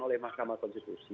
oleh mahkamah konstitusi